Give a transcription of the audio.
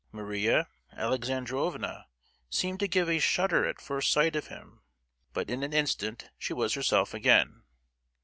Maria Alexandrovna seemed to give a shudder at first sight of him, but in an instant she was herself again.